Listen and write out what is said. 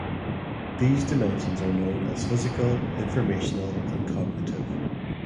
These dimensions are known as physical, informational, and cognitive.